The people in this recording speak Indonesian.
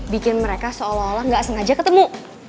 bikin mereka seolah olah nggak sengaja ketemu